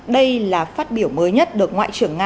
đây là phát biểu mới nhất được ngoại trưởng nga